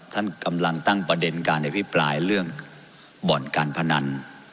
ท่านกำลังตั้งประเด็นการอภิปรายเรื่องบ่อนการพนัน